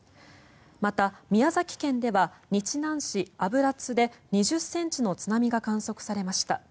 また、宮崎県では日南市油津で２０ｃｍの津波が観測されました。